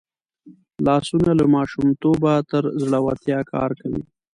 لاسونه له ماشومتوبه تر زوړتیا کار کوي